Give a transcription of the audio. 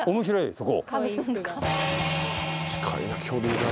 そこ。